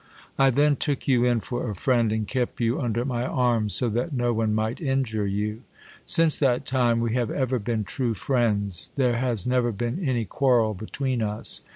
I then took you in for a friend, and kept you under my arms, so that no one might injure you. Since that time we have ever been true friends : there has never been any quarrel between us.